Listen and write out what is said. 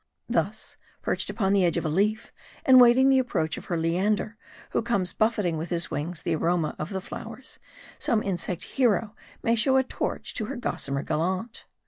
Thus : perched upon the edge of a leaf, and waiting the approach of her Leander, who comes buflet ing with his wings the aroma of the flowers, some insect Hero may show a torch to her gossamer gallant.